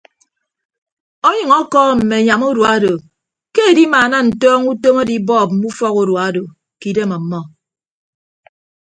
Ọnyʌñ ọkọọm mme anyam urua odo ke edimaana ntọọñọ utom adibọọp mme ufọk urua odo ke idem ọmmọ.